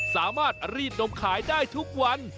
สามารถรีดนมขายได้ทุกวัน